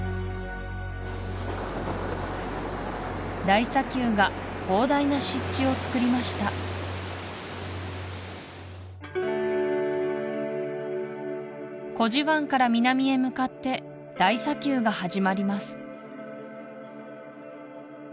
大砂丘が広大な湿地をつくりましたコジ湾から南へ向かって大砂丘がはじまります